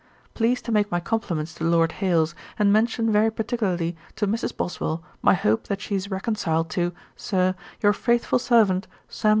'Please to make my compliments to Lord Hailes; and mention very particularly to Mrs. Boswell my hope that she is reconciled to, Sir, 'Your faithful servant, 'SAM.